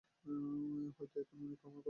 হয়তো এখন উনি ক্ষমা করে দিয়েছেন।